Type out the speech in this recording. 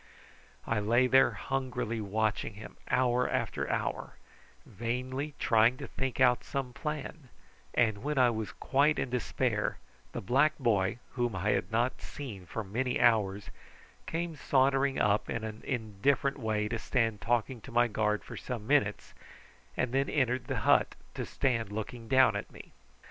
I lay there hungrily watching him hour after hour, vainly trying to think out some plan, and when I was quite in despair the black boy, whom I had not seen for many hours, came sauntering up in an indifferent way to stand talking to my guard for some minutes, and then entered the hut to stand looking down at me.